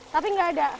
tapi gak ada